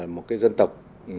một dân tộc